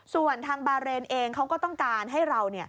ส่วนทางบาเรนเองเขาก็ต้องการให้เรา